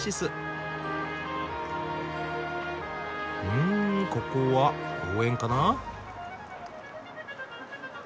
んここは公園かな。